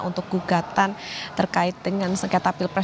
untuk gugatan terkait dengan sengketa pilpres dua ribu dua puluh empat